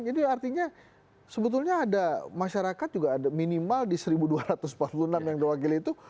jadi artinya sebetulnya ada masyarakat juga ada minimal di seribu dua ratus empat puluh enam yang diwakili itu